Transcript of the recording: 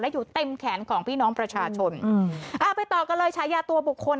อยู่เต็มแขนของพี่น้องประชาชนอืมอ่าไปต่อกันเลยฉายาตัวบุคคล